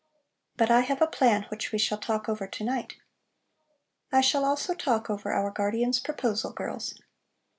"But I have a plan which we shall talk over to night. I shall also talk over our guardian's proposal, girls.